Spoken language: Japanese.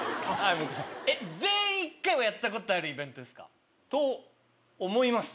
全員１回はやったことあるイベントですか？と思います。